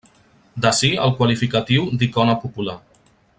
D'ací el qualificatiu d'icona popular.